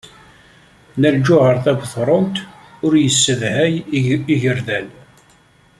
Nna Lǧuheṛ Tabetṛunt ur yessedhay igerdan.